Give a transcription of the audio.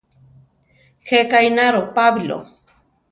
Jéka ináro Pabilo.